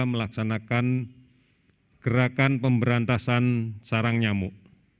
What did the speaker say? melaksanakan gerakan pemberantasan sarang nyamuk